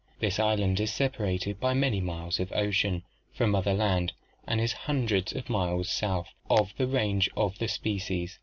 This island is separated by many miles of ocean from other land, and is hundreds of miles south of the range of the species.